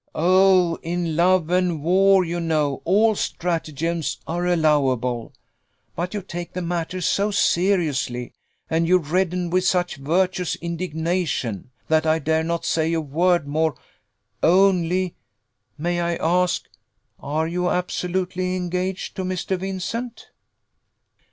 "Oh! in love and war, you know, all stratagems are allowable. But you take the matter so seriously, and you redden with such virtuous indignation, that I dare not say a word more only may I ask are you absolutely engaged to Mr. Vincent?"